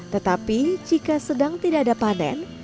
tetapi jika sedang tidak ada panen